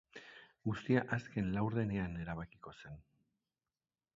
Guztia azken laurdenean erabakiko zen.